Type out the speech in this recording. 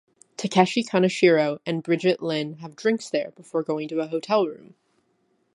Takeshi Kaneshiro and Brigitte Lin have drinks there before going to a hotel room.